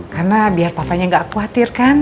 karena biar papanya nggak khawatir kan